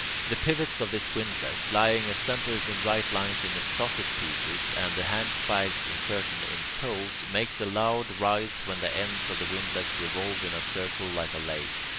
The pivots of this windlass, lying as centres in right lines in its socket pieces, and the handspikes inserted in its holes, make the load rise when the ends of the windlass revolve in a circle like a lathe.